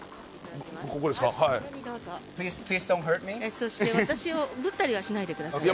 そして私をぶったりはしないでくださいね。